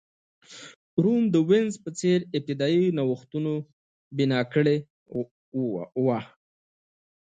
روم د وینز په څېر ابتدايي نوښتونه بنا کړي وو.